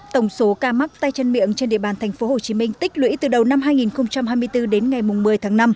tổng số ca mắc tay chân miệng trên địa bàn tp hcm tích lũy từ đầu năm hai nghìn hai mươi bốn đến ngày một mươi tháng năm